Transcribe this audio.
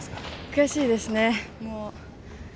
悔しいですね。